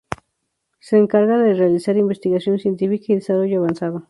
Se encarga de realizar investigación científica y desarrollo avanzado.